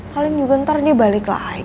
paling juga ntar dia balik lagi